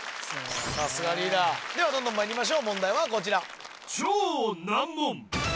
さすがリーダーではどんどんまいりましょう問題はこちら